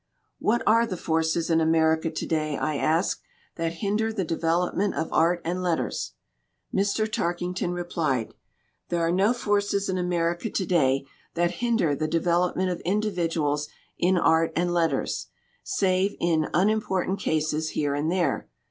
"What are the forces in America to day," I asked, "that hinder the development of art and letters?" Mr. Tarkington replied: "There are no forces in America to day that hinder the development of individuals in art and letters, save in unimpor tant cases here and there.